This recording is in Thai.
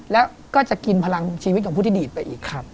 แล้วก็จะกินพลังชีวิตของผู้ที่ดีดไปอีกครับ